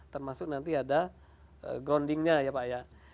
termasuk nanti ada groundingnya ya pak ya